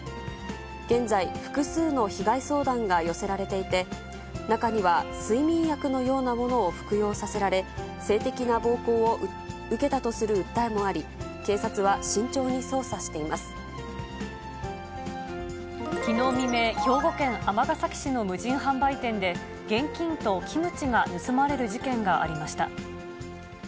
現在、複数の被害相談が寄せられていて、中には睡眠薬のようなものを服用させられ、性的な暴行を受けたとする訴えもあり、警察は慎重に捜査していまきのう未明、兵庫県尼崎市の無人販売店で、現金とキムチが盗まれる事件がありました。